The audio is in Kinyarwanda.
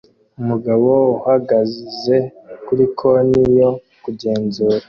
Umugabo uhagaze kuri konti yo kugenzura